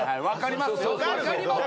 分かりますけど。